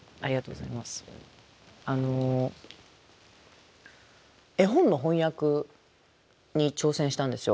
あの絵本の翻訳に挑戦したんですよ。